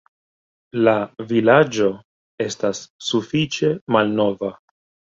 La vilaĝo estas sufiĉe malnova.